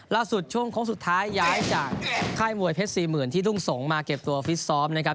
ล่าสุดช่วงของสุดท้ายย้ายจากค่ายมวยเพชรสี่หมื่นที่ดุ้งสงฆ์มาเก็บตัวฟิสซ้อมนะครับ